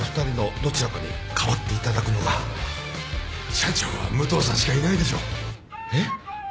社長は武藤さんしかいないでしょう。